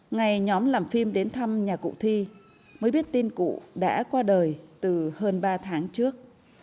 ngày nhóm làm phim đến thăm nhà cụ thi mới biết tin cụ đã qua đời từ hơn ba tháng trước